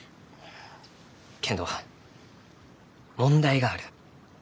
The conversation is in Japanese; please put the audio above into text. けんど問題がある。